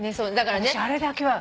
私あれだけは。